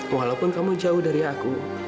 walaupun kamu jauh dari aku